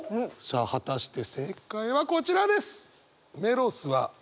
さあ果たして正解はこちらです！